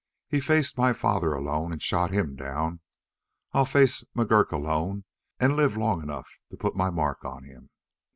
He faced my father alone and shot him down. I'll face McGurk alone and live long enough to put my mark on him."